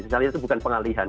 saya lihat itu bukan pengalihan